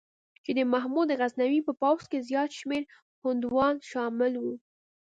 چې د محمود غزنوي په پوځ کې زیات شمېر هندوان شامل وو.